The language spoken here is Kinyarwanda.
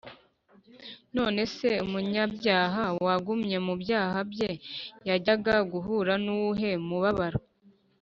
none se umunyabyaha wagumye mu byaha bye yajyaga guhura n’uwuhe mubabaro?